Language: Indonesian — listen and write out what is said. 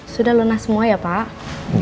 sudah lunas semua ya pak